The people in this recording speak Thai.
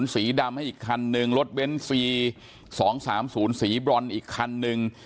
สีดำให้อีกคันนึงรถเบ้นซี๒๓๐สีบรอนอีกคันนึง